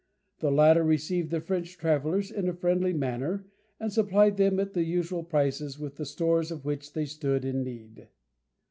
The latter received the French travellers in a friendly manner, and supplied them at the usual prices with the stores of which they stood in need.